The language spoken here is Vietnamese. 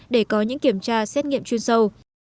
để có những kiểm tra xét nghiệm chuyên sâu